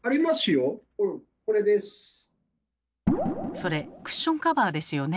それクッションカバーですよね？